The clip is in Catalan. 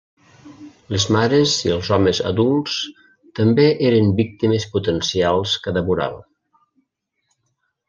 Les mares i els homes adults també eren víctimes potencials que devorava.